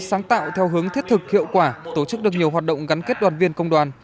sáng tạo theo hướng thiết thực hiệu quả tổ chức được nhiều hoạt động gắn kết đoàn viên công đoàn